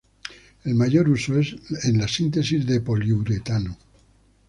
El mayor uso es en la síntesis de poliuretano.